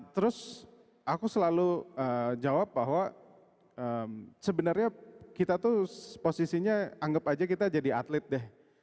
terus aku selalu jawab bahwa sebenarnya kita tuh posisinya anggap aja kita jadi atlet deh